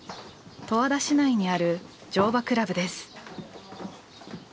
十和田市内にある乗馬倶楽部です。